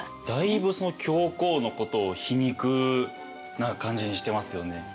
だいぶその教皇のことを皮肉な感じにしてますよね。